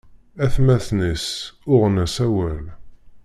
Atmaten-is uɣen-as awal.